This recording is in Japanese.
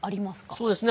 そうですね。